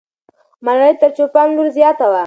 ملالۍ تر چوپان لور زیاته وه.